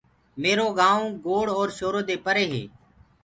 ميرو گآئونٚ گوڙ اور شورو دي پري هي